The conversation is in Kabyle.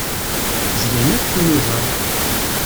Zlan akk tiyuẓaḍ.